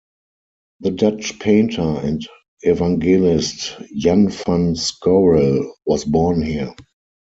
The Dutch painter and evangelist Jan van Scorel was born here.